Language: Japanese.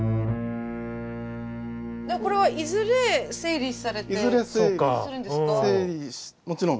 これはいずれ整理されてするんですか？